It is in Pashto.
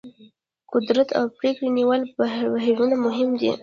قدرت او پرېکړې نیولو بهیرونه مهم دي.